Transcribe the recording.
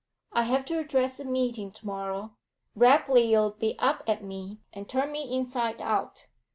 I have to address a meeting tomorrow; Rapley 'll be up at me, and turn me inside out.